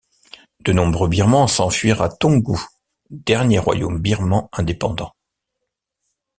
De nombreux birmans s'enfuirent à Taungû, dernier royaume birman indépendant.